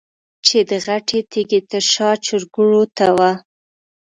چې د غټې تيږې تر شا چرګوړو ته وه.